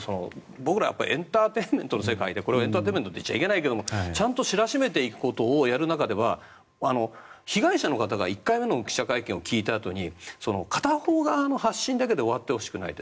僕らエンターテインメントの世界でこれをエンターテインメントと言っちゃいけないけどちゃんと知らしめていくことをやる中では被害者の方が１回目の記者会見を聞いた時に片方側の発信だけで終わってほしくないって。